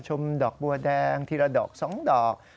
ชมดอกบัวแดงทีละดอก๒ดอก